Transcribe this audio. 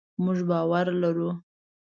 مونږ باور لرو